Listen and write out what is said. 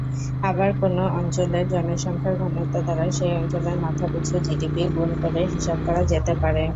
আবার কোনও অঞ্চলের জনসংখ্যার ঘনত্ব দ্বারা সেই অঞ্চলের মাথাপিছু জিডিপি গুণ করে হিসাব করা যেতে পারে।